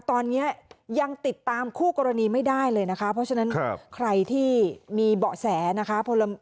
ตอนนี้ยังติดตามคู่กรณีไม่ได้เลยนะคะเพราะฉะนั้นใครที่มีเบาะแสนะคะ